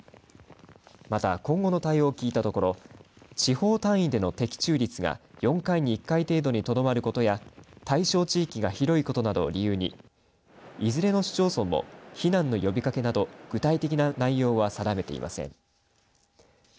また、今後の対応を聞いたところ地方単位での的中率が４回に１回程度にとどまることや対象地域が広いことなどを理由にいずれの市町村も避難の呼びかけなど具体的な内容は定めていません。